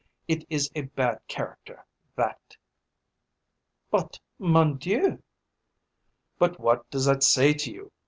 It is a bad character, that." "But, mon Dieu!" "But what does that say to you?